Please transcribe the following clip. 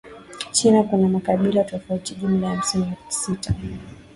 China kuna makabila tufauti jumla ya hamsini na sita